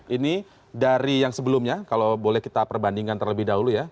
ini dari yang sebelumnya kalau boleh kita perbandingkan terlebih dahulu ya